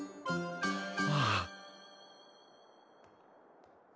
ああ。